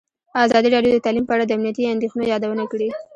ازادي راډیو د تعلیم په اړه د امنیتي اندېښنو یادونه کړې.